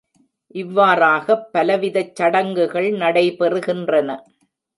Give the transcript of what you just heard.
இவ்வாறாகப் பலவிதச் சடங்குகள் நடைபெறுகின்றன.